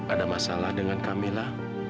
ada masalah dengan kamila